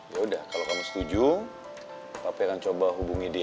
yaudah kalau kamu setuju papi akan coba hubungi dia